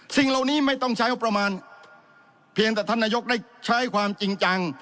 สิ่งเหล่านี้ไม่ต้องใช้งบประมาณเพียงแต่ท่านนายกได้ใช้ความจริงจัง